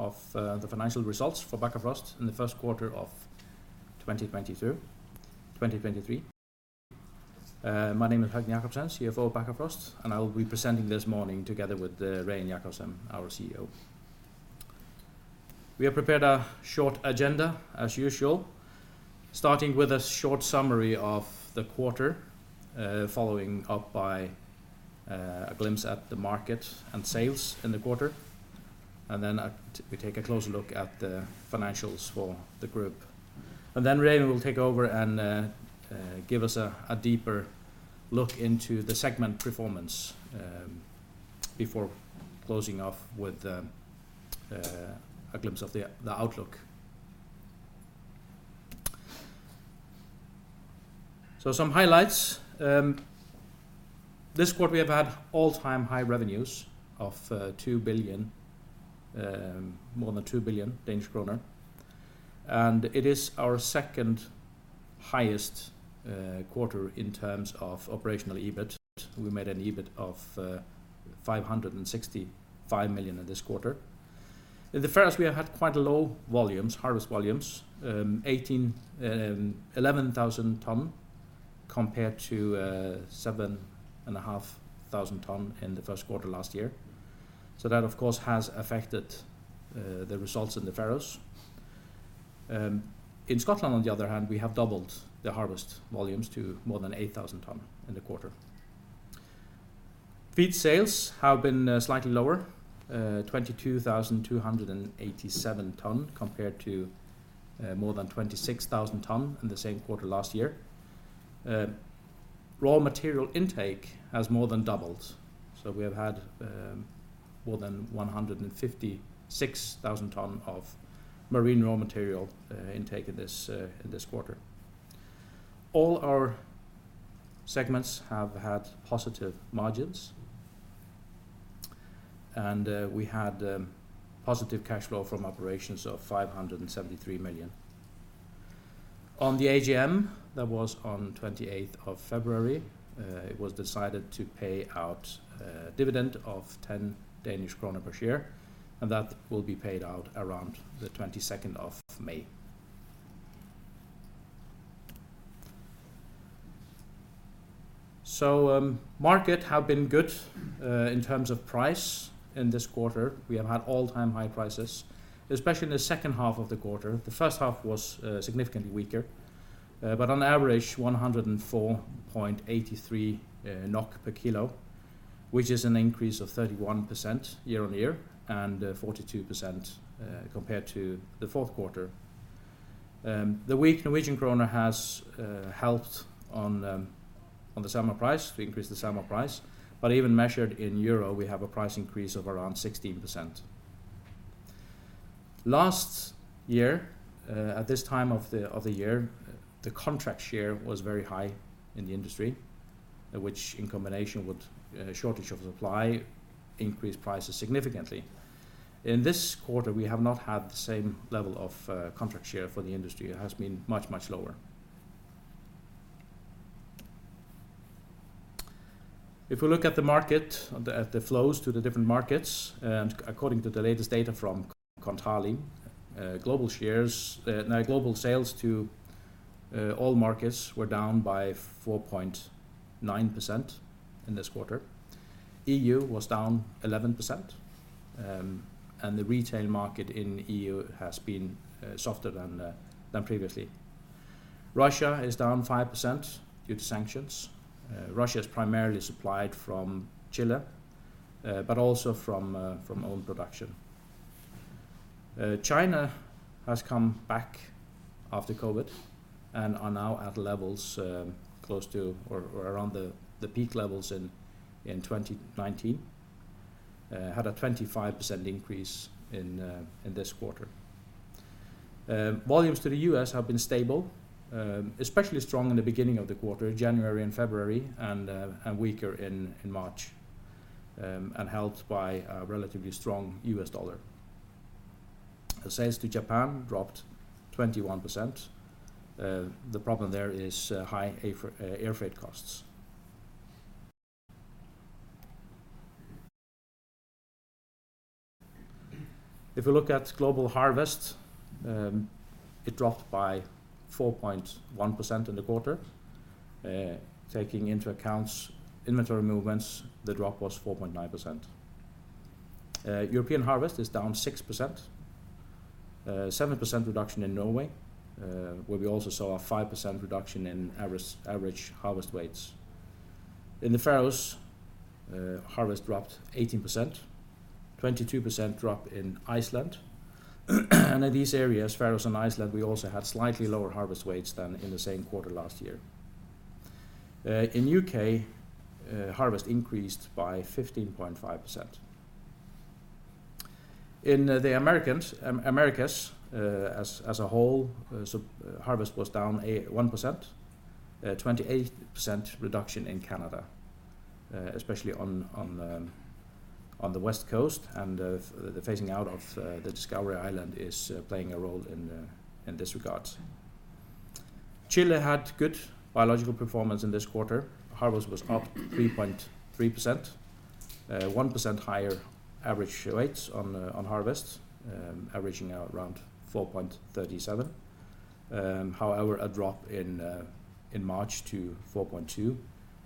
Of the financial results for Bakkafrost in the Q1 of 2022... 2023. My name is Høgni Jakobsen, CFO of Bakkafrost, and I'll be presenting this morning together with Regin Jacobsen, our CEO. We have prepared a short agenda as usual, starting with a short summary of the quarter, following up by a glimpse at the market and sales in the quarter. Then we take a closer look at the financials for the group. Then Regin will take over and give us a deeper look into the segment performance, before closing off with a glimpse of the outlook. Some highlights. This quarter we have had all-time high revenues of 2 billion, more than 2 billion Danish kroner. It is our second highest quarter in terms of operational EBIT. We made an EBIT of 565 million in this quarter. In the Faroes, we have had quite low volumes, harvest volumes, eighteen, 11,000 tons compared to 7,500 tons in the Q1 last year. That, of course, has affected the results in the Faroes. In Scotland, on the other hand, we have doubled the harvest volumes to more than 8,000 tons in the quarter. Feed sales have been slightly lower, 22,287 tons compared to more than 26,000 tons in the same quarter last year. Raw material intake has more than doubled, we have had more than 156,000 ton of marine raw material intake in this, in this quarter. All our segments have had positive margins. We had positive cash flow from operations of 573 million. On the AGM, that was on 28th of February, it was decided to pay out a dividend of 10 Danish krone per share, that will be paid out around the 22nd of May. Market have been good in terms of price in this quarter. We have had all-time high prices, especially in the H2 of the quarter. The H1 was significantly weaker, but on average 104.83 NOK per kilo, which is an increase of 31% year-on-year and 42% compared to the Q4. The weak Norwegian kroner has helped on on the salmon price, to increase the salmon price, but even measured in EUR, we have a price increase of around 16%. Last year, at this time of the year, the contract share was very high in the industry, which in combination with shortage of supply increased prices significantly. In this quarter, we have not had the same level of contract share for the industry. It has been much, much lower. If we look at the market, at the flows to the different markets, according to the latest data from Kontali, global sales to all markets were down by 4.9% in this quarter. EU was down 11%, and the retail market in EU has been softer than previously. Russia is down 5% due to sanctions. Russia is primarily supplied from Chile, but also from own production. China has come back after COVID and are now at levels close to or around the peak levels in 2019. Had a 25% increase in this quarter. Volumes to the U.S. have been stable, especially strong in the beginning of the quarter, January and February, and weaker in March, and helped by a relatively strong U.S. dollar. The sales to Japan dropped 21%. The problem there is high air freight costs. If we look at global harvest, it dropped by 4.1% in the quarter. Taking into account inventory movements, the drop was 4.9%. European harvest is down 6%. 7% reduction in Norway, where we also saw a 5% reduction in average harvest weights. In the Faroes, harvest dropped 18%, 22% drop in Iceland. In these areas, Faroes and Iceland, we also had slightly lower harvest weights than in the same quarter last year. In UK, harvest increased by 15.5%. In the Americas as a whole, harvest was down 1%. 28% reduction in Canada, especially on the West Coast and the phasing out of the Discovery Island is playing a role in this regard. Chile had good biological performance in this quarter. Harvest was up 3.3%. 1% higher average weights on harvest, averaging out around 4.37. However, a drop in March to 4.2,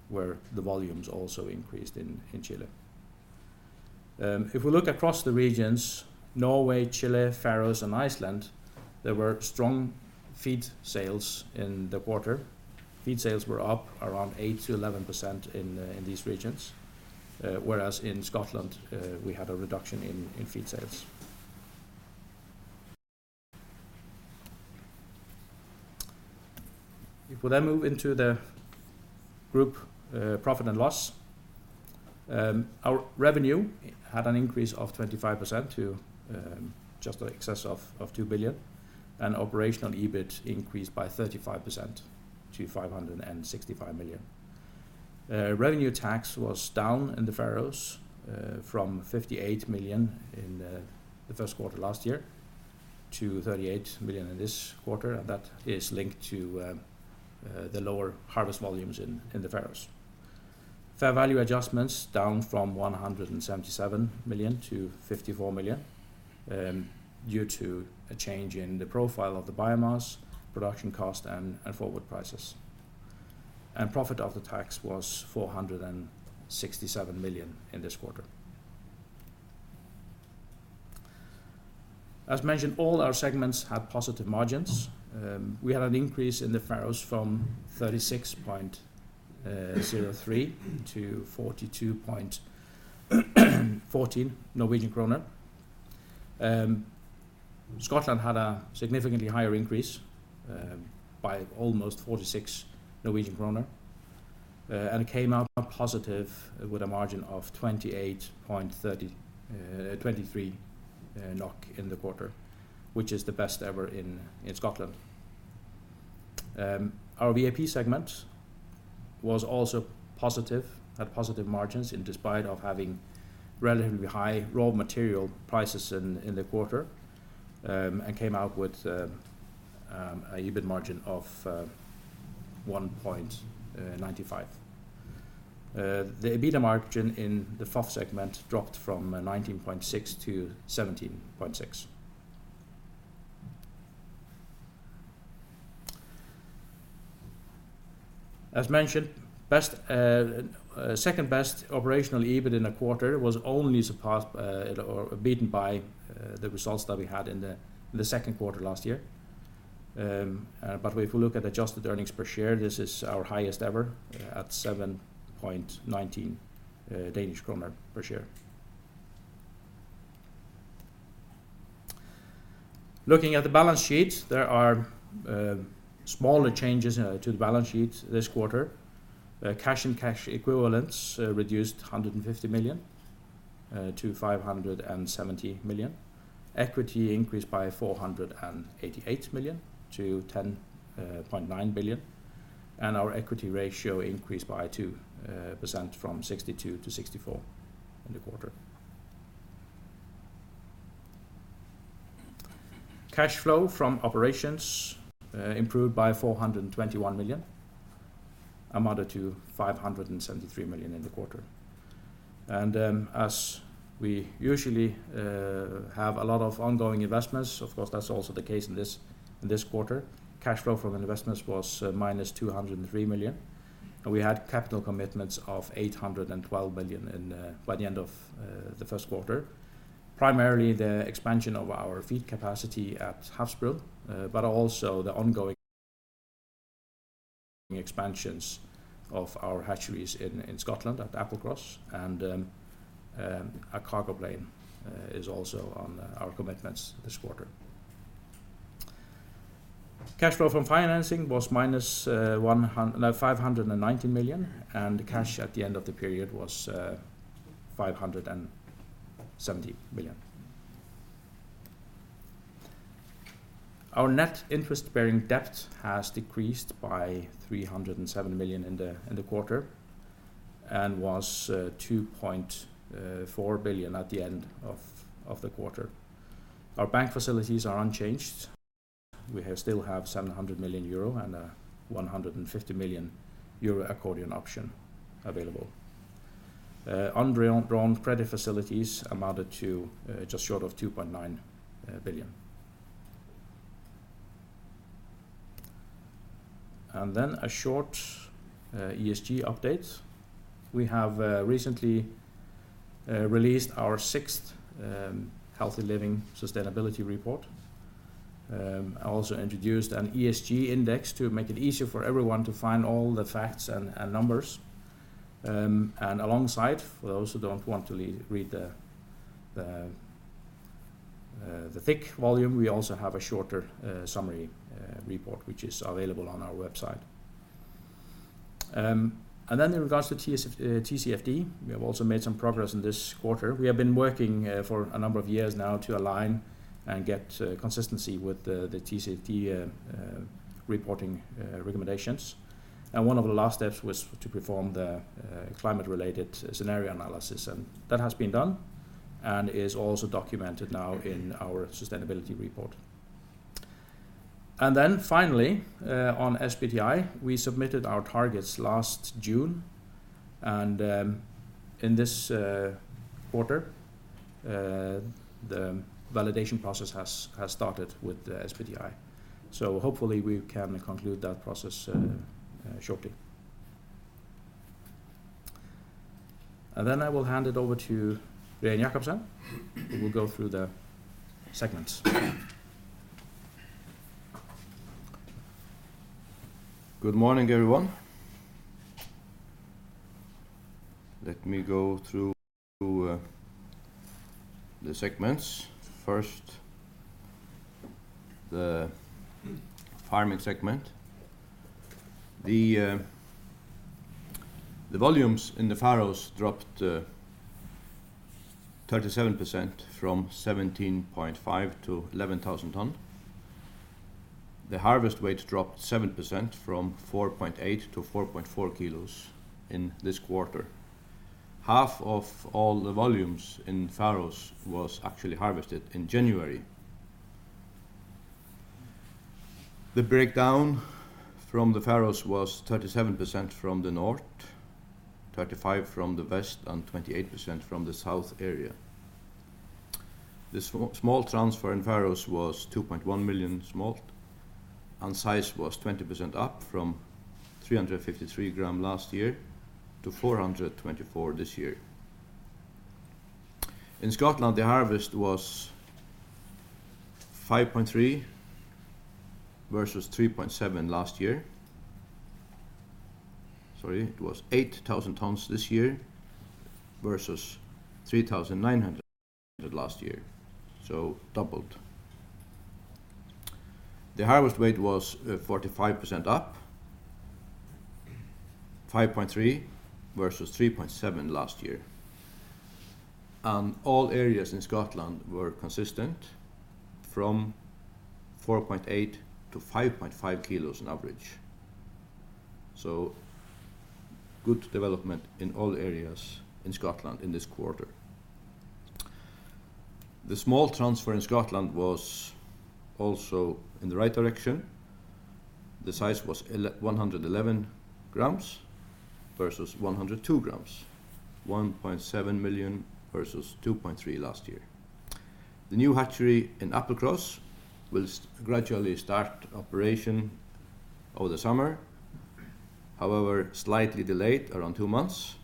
where the volumes also increased in Chile. If we look across the regions, Norway, Chile, Faroes, and Iceland, there were strong feed sales in the quarter. Feed sales were up around 8%-11% in these regions, whereas in Scotland, we had a reduction in feed sales. If we then move into the group profit and loss, our revenue had an increase of 25% to just in excess of 2 billion, and operational EBIT increased by 35% to 565 million. Revenue tax was down in the Faroes from 58 million in the Q1 last year to 38 million in this quarter. That is linked to the lower harvest volumes in the Faroes. Fair value adjustments down from 177 million to 54 million due to a change in the profile of the biomass, production cost, and forward prices. Profit after tax was 467 million in this quarter. As mentioned, all our segments had positive margins. We had an increase in the Faroes from 36.03 to 42.14 Norwegian kroner. Scotland had a significantly higher increase by almost 46 Norwegian kroner and came out positive with a margin of 28.30 23 NOK in the quarter, which is the best ever in Scotland. Our VAP segment was also positive, had positive margins in despite of having relatively high raw material prices in the quarter and came out with a EBIT margin of 1.95%. The EBITDA margin in the FOF segment dropped from 19.6% to 17.6%. As mentioned, best second-best operational EBIT in the quarter was only surpassed or beaten by the results that we had in the Q2 last year. If we look at adjusted earnings per share, this is our highest ever at 7.19 Danish kroner per share. Looking at the balance sheet, there are smaller changes to the balance sheet this quarter. Cash and cash equivalents reduced 150 million to 570 million. Equity increased by 488 million to 10.9 billion. Our equity ratio increased by 2% from 62% to 64% in the quarter. Cash flow from operations improved by 421 million, amounted to 573 million in the quarter. As we usually have a lot of ongoing investments, of course, that's also the case in this, in this quarter. Cash flow from investments was minus 203 million, and we had capital commitments of 812 million by the end of the Q1. Primarily the expansion of our feed capacity at Havsbrún, but also the ongoing expansions of our hatcheries in Scotland at Applecross and a cargo plane is also on our commitments this quarter. Cash flow from financing was minus 590 million, and cash at the end of the period was 570 million. Our net interest-bearing debt has decreased by 307 million in the quarter and was 2.4 billion at the end of the quarter. Our bank facilities are unchanged. We still have 700 million euro and 150 million euro accordion option available. Undrawn credit facilities amounted to just short of 2.9 billion. A short ESG update. We have recently released our sixth Healthy Living Sustainability Report. I also introduced an ESG index to make it easier for everyone to find all the facts and numbers. Alongside, for those who don't want to read the thick volume, we also have a shorter summary report, which is available on our website. In regards to TCFD, we have also made some progress in this quarter. We have been working for a number of years now to align and get consistency with the TCFD reporting recommendations. One of the last steps was to perform the climate-related scenario analysis, and that has been done. Is also documented now in our sustainability report. Finally, on SBTI, we submitted our targets last June, in this quarter, the validation process has started with the SBTI. Hopefully we can conclude that process shortly. I will hand it over to Regin Jacobsen, who will go through the segments. Good morning, everyone. Let me go through the segments. First, the farming segment. The volumes in the Faroes dropped 37% from 17.5 to 11,000 tons. The harvest weight dropped 7% from 4.8 to 4.4 kilos in this quarter. Half of all the volumes in Faroes was actually harvested in January. The breakdown from the Faroes was 37% from the north, 35% from the west, and 28% from the south area. The small transfer in Faroes was 2.1 million smolt, and size was 20% up from 353 grams last year to 424 this year. In Scotland, the harvest was 5.3 versus 3.7 last year. Sorry, it was 8,000 tons this year versus 3,900 last year, doubled. The harvest weight was 45% up, 5.3 versus 3.7 last year. All areas in Scotland were consistent from 4.8 to 5.5 kilos on average. Good development in all areas in Scotland in this quarter. The small transfer in Scotland was also in the right direction. The size was 111 grams versus 102 grams, 1.7 million versus 2.3 last year. The new hatchery in Applecross will gradually start operation over the summer, however, slightly delayed around 2 months.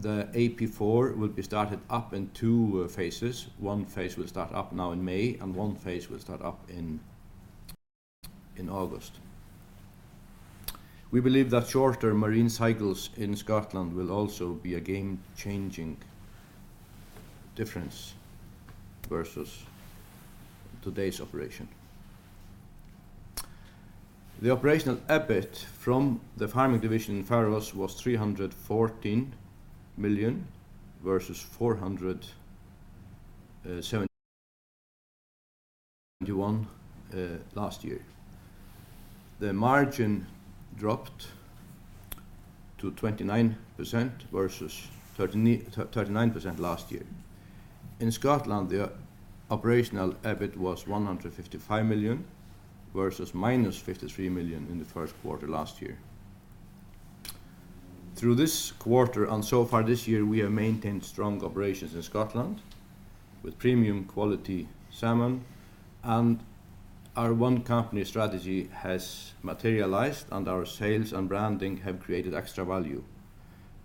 The AP4 will be started up in two phases. One phase will start up now in May, and one phase will start up in August. We believe that shorter marine cycles in Scotland will also be a game-changing difference versus today's operation. The operational EBIT from the farming division in Faroes was 314 million versus 471 million last year. The margin dropped to 29% versus 39% last year. In Scotland, the operational EBIT was 155 million versus minus 53 million in the Q1 last year. Through this quarter and so far this year, we have maintained strong operations in Scotland with premium quality salmon, our One Company strategy has materialized, and our sales and branding have created extra value.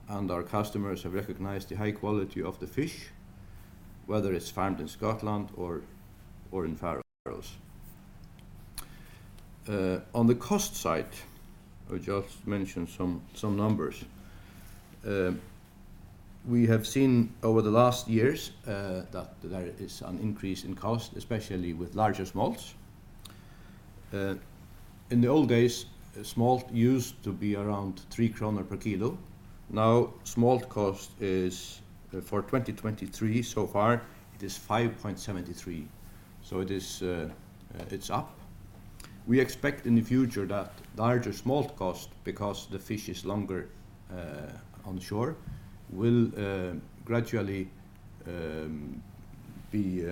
Our customers have recognized the high quality of the fish, whether it's farmed in Scotland or in Faroes. On the cost side, I just mentioned some numbers. We have seen over the last years that there is an increase in cost, especially with larger smolts. In the old days, a smolt used to be around 3 kroner per kilo. Now, smolt cost is for 2023 so far, it is 5.73. It is, it's up. We expect in the future that larger smolt cost because the fish is longer on shore will gradually be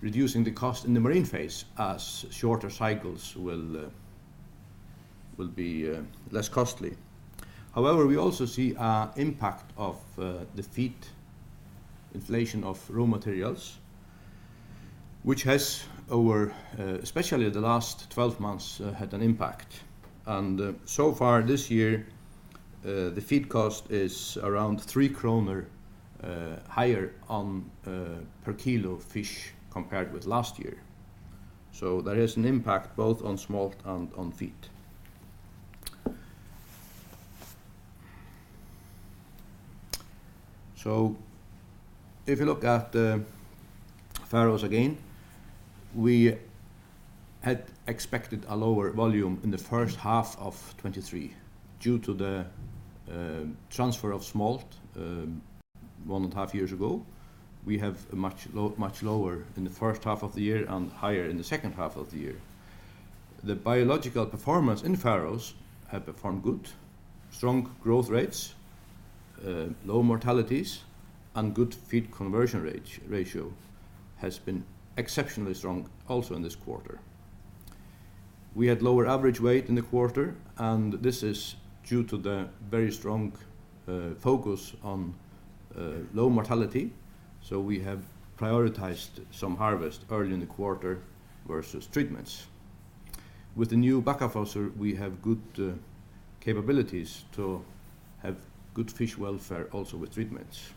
reducing the cost in the marine phase as shorter cycles will be less costly. However, we also see an impact of the feed inflation of raw materials, which has over especially the last 12 months had an impact. So far this year, the feed cost is around 3 kroner higher on per kilo of fish compared with last year. There is an impact both on smolt and on feed. If you look at the Faroes again, we had expected a lower volume in the H1 of 2023 due to the transfer of smolt, one and a half years ago. We have much lower in the H1 of the year and higher in the H2 of the year. The biological performance in Faroes have performed good, strong growth rates, low mortalities and good feed conversion ratio has been exceptionally strong also in this quarter. We had lower average weight in the quarter, and this is due to the very strong focus on low mortality, so we have prioritized some harvest early in the quarter versus treatments. With the new Bakkafrost, we have good capabilities to have good fish welfare also with treatments.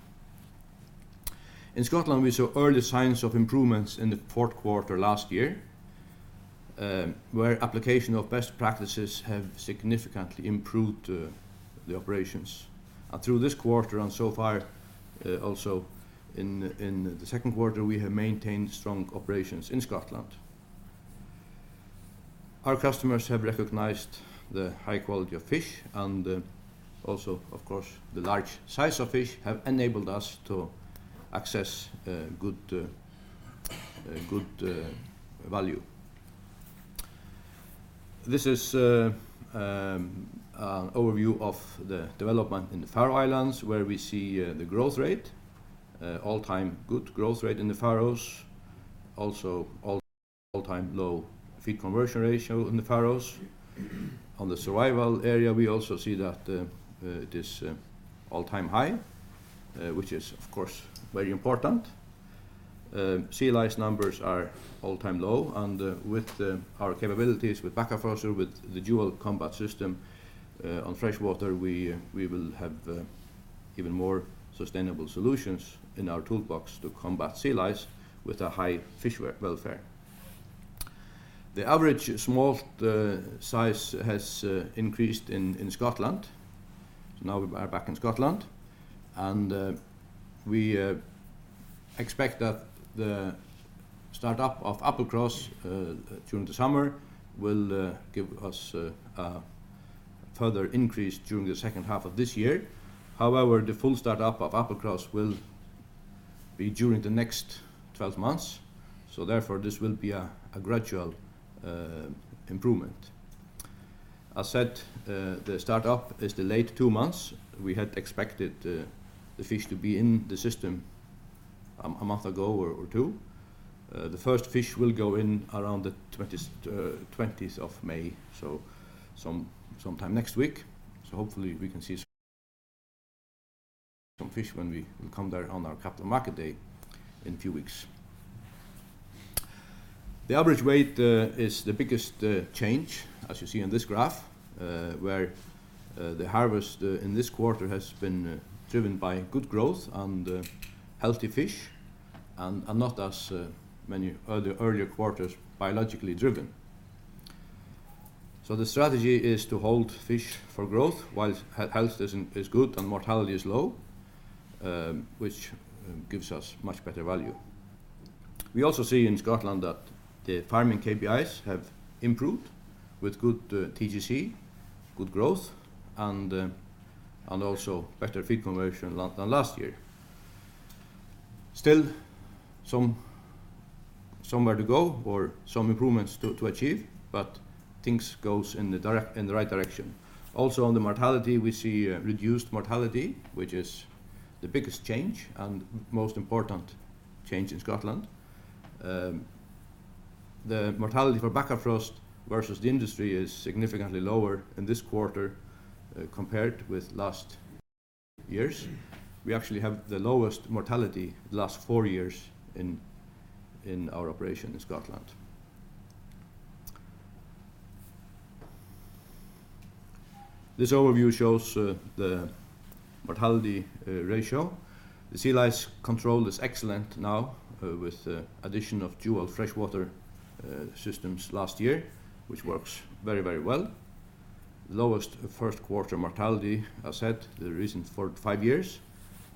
In Scotland, we saw early signs of improvements in the Q4 last year, where application of best practices have significantly improved the operations. Through this quarter and so far, also in the Q2, we have maintained strong operations in Scotland. Our customers have recognized the high quality of fish and also of course the large size of fish have enabled us to access good value. This is an overview of the development in the Faroe Islands, where we see the growth rate all-time good growth rate in the Faroes, also all-time low feed conversion ratio in the Faroes. On the survival area, we also see that it is all-time high, which is of course very important. Sea lice numbers are all-time low, and with our capabilities with Bakkafrost, with the dual treatment system on freshwater, we will have even more sustainable solutions in our toolbox to combat sea lice with a high fish welfare. The average smolt size has increased in Scotland. Now we are back in Scotland, and we expect that the start-up of Applecross during the summer will give us a further increase during the H2 of this year. However, the full start-up of Applecross will be during the next 12 months, so therefore this will be a gradual improvement. As said, the start-up is delayed 2 months. We had expected the fish to be in the system a month ago or 2. The first fish will go in around the 20s, 20th of May, sometime next week. Hopefully we can see some fish when we will come there on our Capital Markets Day in a few weeks. The average weight is the biggest change, as you see on this graph, where the harvest in this quarter has been driven by good growth and healthy fish and not as many earlier quarters biologically driven. The strategy is to hold fish for growth while health is good and mortality is low, which gives us much better value. We also see in Scotland that the farming KPIs have improved with good TGC, good growth and also better feed conversion than last year. Still somewhere to go or some improvements to achieve, but things goes in the right direction. Also, on the mortality, we see reduced mortality, which is the biggest change and most important change in Scotland. The mortality for Bakkafrost versus the industry is significantly lower in this quarter compared with last years. We actually have the lowest mortality the last 4 years in our operation in Scotland. This overview shows the mortality ratio. The sea lice control is excellent now with the addition of dual freshwater systems last year, which works very, very well. Lowest Q1 mortality, as said, the recent 4-5 years.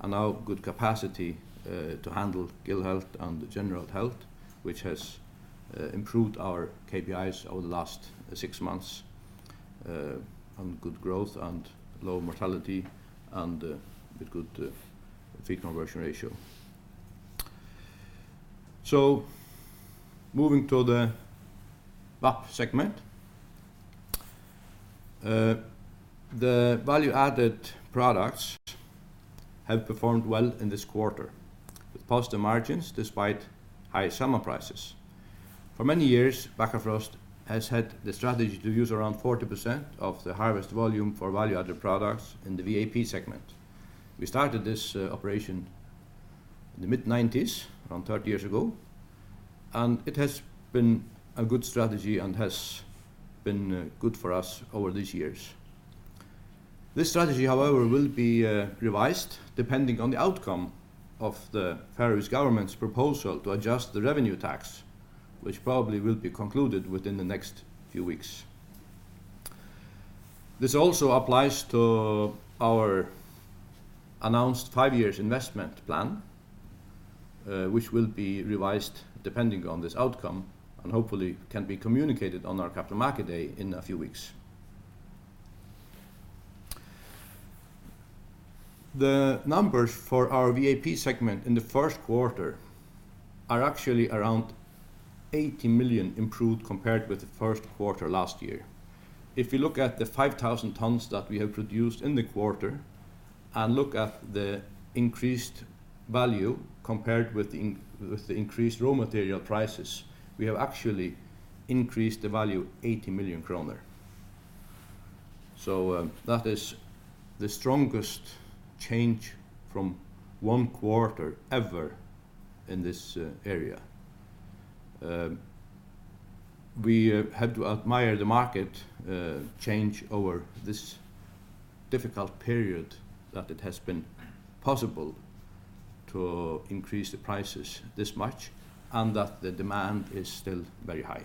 Now good capacity to handle gill health and general health, which has improved our KPIs over the last 6 months, and good growth and low mortality and with good feed conversion ratio. Moving to the VAP segment. The value-added products have performed well in this quarter with positive margins despite high salmon prices. For many years, Bakkafrost has had the strategy to use around 40% of the harvest volume for value-added products in the VAP segment. We started this operation in the mid-nineties, around 30 years ago, and it has been a good strategy and has been good for us over these years. This strategy, however, will be revised depending on the outcome of the Faroese government's proposal to adjust the revenue tax, which probably will be concluded within the next few weeks. This also applies to our announced 5 years investment plan, which will be revised depending on this outcome and hopefully can be communicated on our Capital Markets Day in a few weeks. The numbers for our VAP segment in the Q1 are actually around 80 million improved compared with the Q1 last year. If you look at the 5,000 tons that we have produced in the quarter and look at the increased value compared with the increased raw material prices, we have actually increased the value 80 million kroner. That is the strongest change from one quarter ever in this area. We had to admire the market change over this difficult period that it has been possible to increase the prices this much and that the demand is still very high.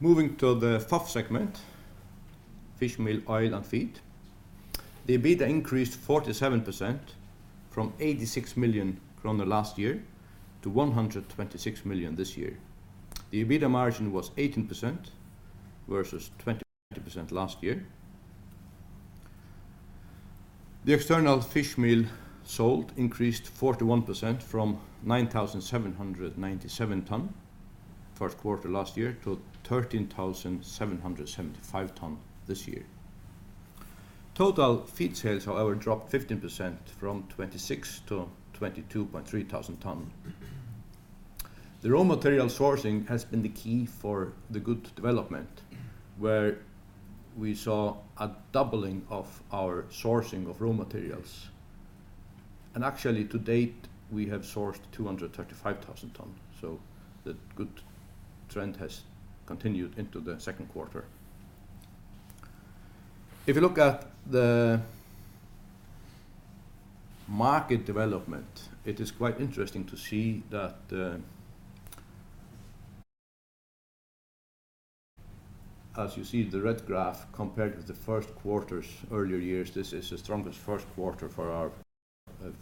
Moving to the FOF segment, fish meal, oil, and feed. The EBITA increased 47% from 86 million kroner last year to 126 million this year. The EBITA margin was 18% versus 20% last year. The external fish meal sold increased 41% from 9,797 tons Q1 last year to 13,775 tons this year. Total feed sales, however, dropped 15% from 26,000 to 22,300 tons. The raw material sourcing has been the key for the good development, where we saw a doubling of our sourcing of raw materials. Actually, to date, we have sourced 235,000 tons, so the good trend has continued into the Q2. If you look at the market development, it is quite interesting to see that, as you see the red graph compared with the Q1s, earlier years, this is the strongest Q1 for our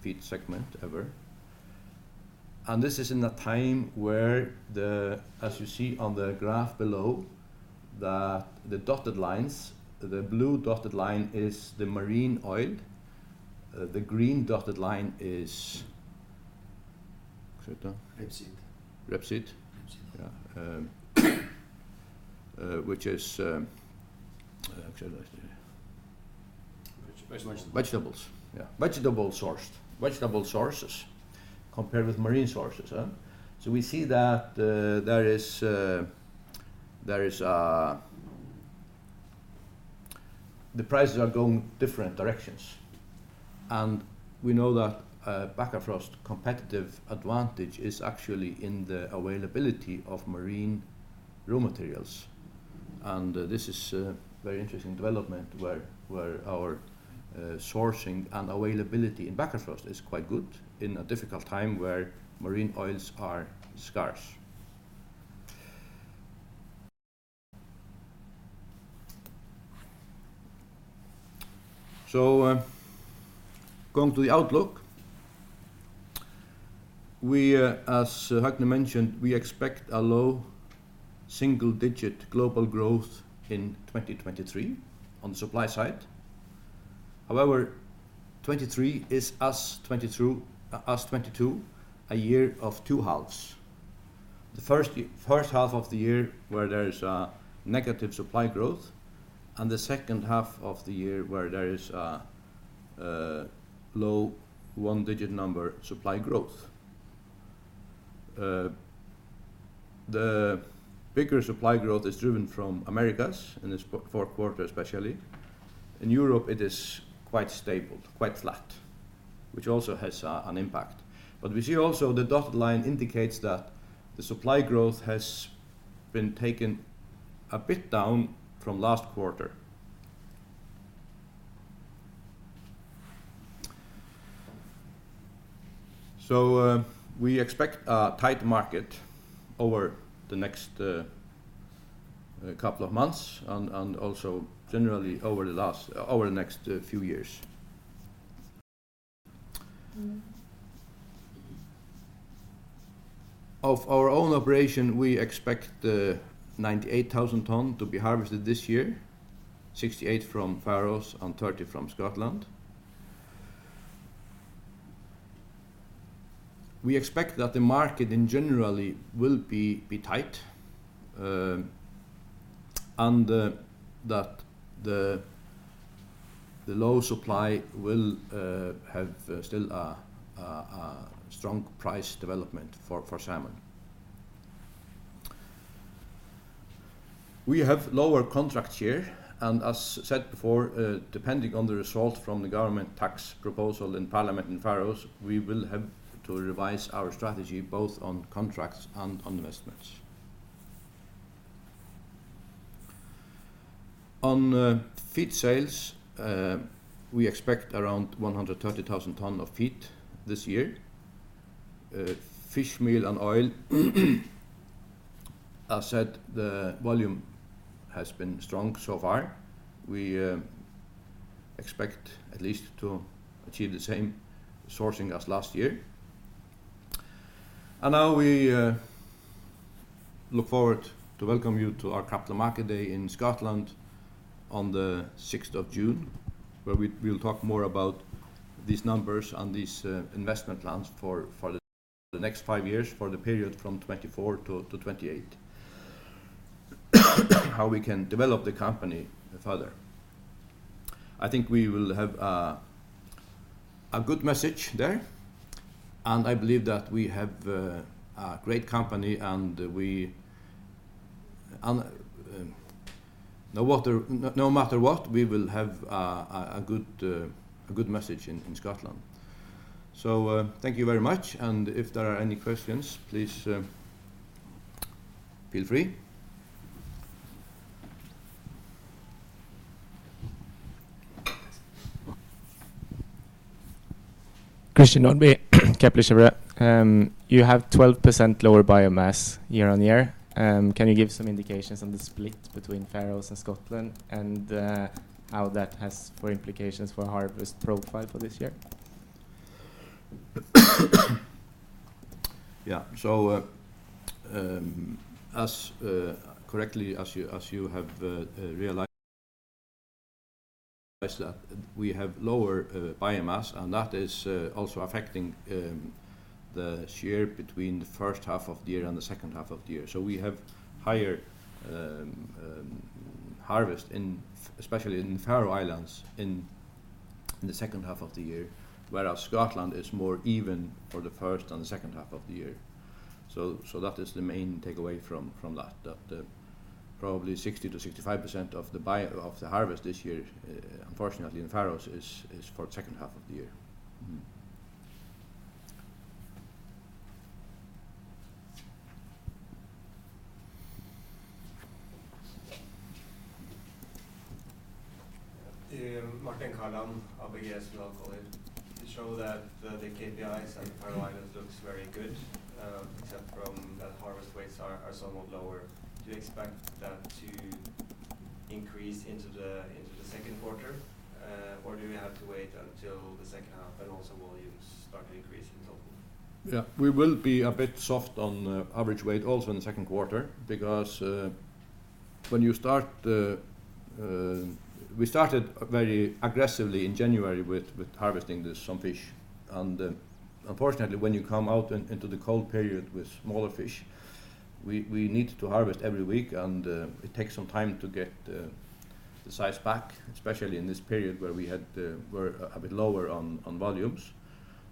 feed segment ever. This is in a time where as you see on the graph below, the dotted lines, the blue dotted line is the marine oil. The green dotted line is... Rapeseed. Rapeseed. Rapeseed. Yeah. which is, Vege-vegetables. Vegetables. Yeah. Vegetable sources compared with marine sources, huh? We see that the prices are going different directions. We know that Bakkafrost competitive advantage is actually in the availability of marine raw materials. This is a very interesting development where our sourcing and availability in Bakkafrost is quite good in a difficult time where marine oils are scarce. Going to the outlook. We, as Høgni mentioned, we expect a low single-digit global growth in 2023 on the supply side. However, 23 is as 22, us 22, a year of two halves. The H1 of the year where there is negative supply growth, and the H2 of the year where there is low one-digit number supply growth. growth is driven from Americas in this Q4, especially. In Europe, it is quite stable, quite flat, which also has an impact. But we see also the dotted line indicates that the supply growth has been taken a bit down from last quarter. We expect a tight market over the next couple of months and also generally over the next few years. Of our own operation, we expect 98,000 tons to be harvested this year, 68,000 from Faroes and 30,000 from Scotland. We expect that the market in generally will be tight, and that the low supply will have still a strong price development for salmon We have lower contracts here. As said before, depending on the result from the government tax proposal in parliament in Faroes, we will have to revise our strategy both on contracts and on investments. On feed sales, we expect around 130,000 tons of feed this year. Fish meal and oil, as said, the volume has been strong so far. We expect at least to achieve the same sourcing as last year. Now we look forward to welcome you to our Capital Markets Day in Scotland on the 6th of June, where we'll talk more about these numbers and these investment plans for the next 5 years, for the period from 2024 to 2028. How we can develop the company further. I think we will have a good message there, and I believe that we have a great company and no matter what, we will have a good message in Scotland. Thank you very much. If there are any questions, please feel free. Christian Nordby, Kepler Cheuvreux. You have 12% lower biomass year-on-year. Can you give some indications on the split between Faroes and Scotland and how that has for implications for harvest profile for this year? As correctly as you have realized that we have lower biomass, and that is also affecting the share between the H1 of the year and the H2 of the year. We have higher harvest especially in Faroe Islands in the H2 of the year, whereas Scotland is more even for the first and the H2 of the year. That is the main takeaway from that probably 60%-65% of the harvest this year, unfortunately in Faroes is for H2 of the year. Martin Kaland, ABG Sundal Collier. You show that the KPIs in Faroe Islands looks very good, except from that harvest weights are somewhat lower. Do you expect that to increase into the Q2, or do we have to wait until the H2 and also volumes start to increase in total? We will be a bit soft on average weight also in the Q2 because We started very aggressively in January with harvesting this some fish. Unfortunately when you come out into the cold period with smaller fish, we need to harvest every week and it takes some time to get the size back, especially in this period where we had we're a bit lower on volumes.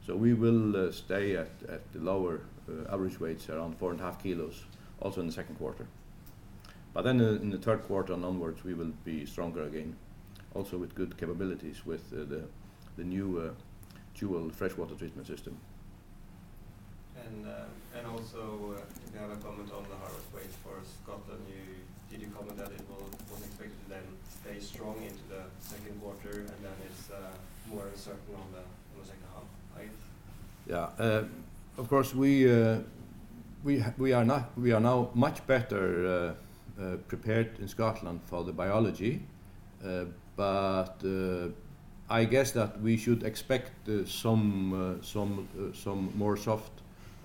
We will stay at the lower average weights around 4.5 kilos also in the Q2. In the Q3 onwards we will be stronger again, also with good capabilities with the new JUEL freshwater treatment system. Also, if you have a comment on the harvest weight for Scotland, did you comment that it will, was expected to then stay strong into the Q2 and then it's more uncertain on the H2, I guess? Yeah. Of course, we are now much better prepared in Scotland for the biology. I guess that we should expect some more soft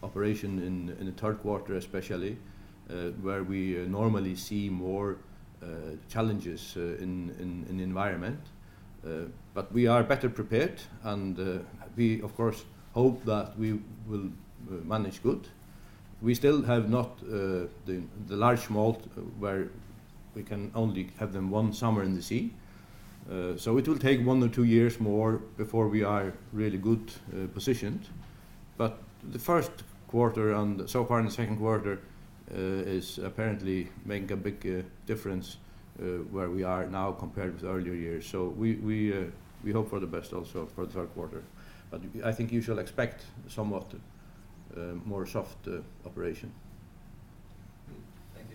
operation in the Q3 especially where we normally see more challenges in the environment. We are better prepared and we of course hope that we will manage good. We still have not the large smolt where we can only have them one summer in the sea. It will take 1 or 2 years more before we are really good positioned. The Q1 and so far in the Q2 is apparently making a big difference where we are now compared with earlier years. We hope for the best also for the Q3. I think you shall expect somewhat more soft operation. Thank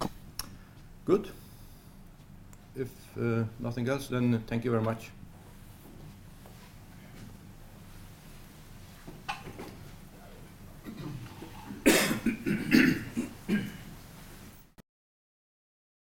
you. Good. If nothing else, then thank you very much.